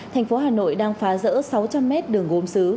thành phố hà nội đang phá rỡ sáu trăm linh mét đường gốm xứ